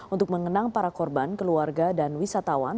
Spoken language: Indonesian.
untuk mengenang para korban keluarga dan wisatawan